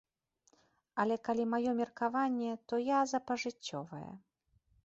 Але калі маё меркаванне, то я за пажыццёвае.